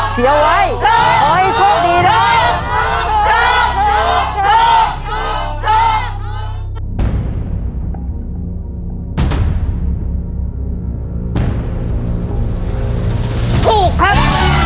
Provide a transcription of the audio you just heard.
เชียวไว้ขอให้โชคดีนะครับ